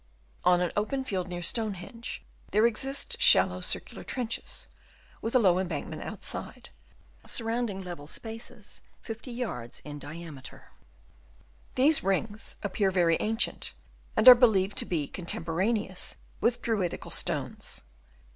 On an open plain near Stonehenge, there exist shallow circular trenches, with a low embankment outside, surrounding level spaces 50 yards in diameter. These rings appear very ancient, and are believed to be contem poraneous with the Druidical stones.